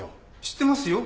知ってますよ。